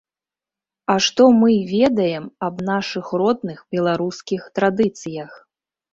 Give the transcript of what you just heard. А што мы ведаем аб нашых родных беларускіх традыцыях?